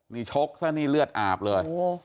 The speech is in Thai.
นี่ชกซะนี่เลือดอาบเลย